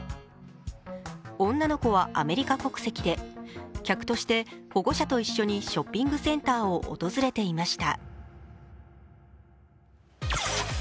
女の子はアメリカ国籍で客として保護者と一緒にショッピングセンターを訪れていました。